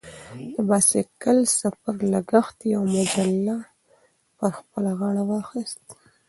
د بایسکل سفر لګښت یوه مجله پر خپله غاړه واخیست.